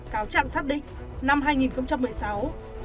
cáo trạng xác định năm hai nghìn một mươi sáu